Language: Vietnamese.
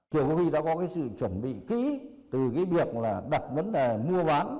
kiều quốc huy đã có sự chuẩn bị kỹ từ việc đặt vấn đề mua bán